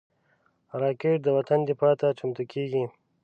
راکټ د وطن دفاع ته چمتو کېږي